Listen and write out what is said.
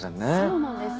そうなんです。